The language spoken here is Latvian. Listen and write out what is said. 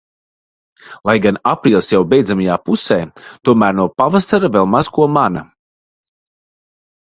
Lai gan aprīlis jau beidzamajā pusē, tomēr no pavasara vēl maz ko mana.